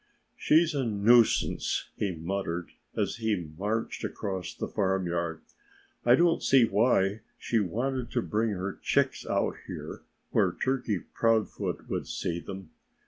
"She's a nuisance," he muttered as he marched across the farmyard. "I don't see why she wanted to bring her chicks out here where Turkey Proudfoot would see them.